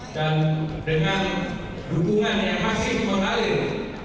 dan dengan dukungan yang masih mengalir